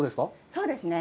そうですね。